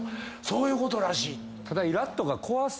そういうことらしい。